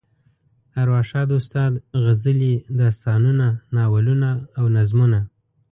ارواښاد استاد غزلې، داستانونه، ناولونه او نظمونه.